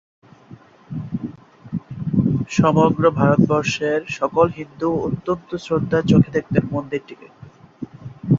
সমগ্র ভারতবর্ষের সকল হিন্দু অত্যন্ত শ্রদ্ধার চোখে দেখতেন মন্দিরটিকে।